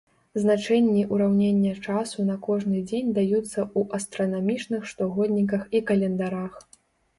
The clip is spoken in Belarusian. Значэнні ўраўнення часу на кожны дзень даюцца ў астранамічных штогодніках і календарах.